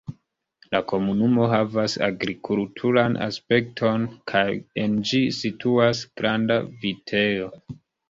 La komunumo havas agrikulturan aspekton kaj en ĝi situas granda vitejo.